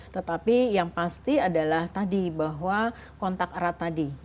tetapi yang pasti adalah tadi bahwa kontak erat tadi